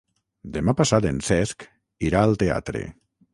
Demà passat en Cesc irà al teatre.